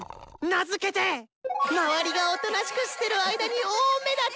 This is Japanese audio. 名付けて「周りがおとなしくしてる間に大目立ち！